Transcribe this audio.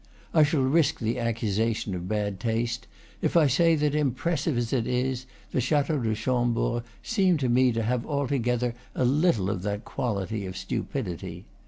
I shall risk the ac cusation of bad taste if I say that, impressive as it is, the Chateau de Chambord seemed to me to have al together a little of that quality of stupidity.